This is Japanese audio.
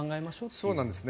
そうなんですね。